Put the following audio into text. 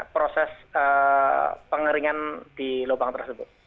proses pengeringan di lubang tersebut